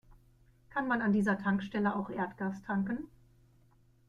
Kann man an dieser Tankstelle auch Erdgas tanken?